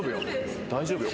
大丈夫よ。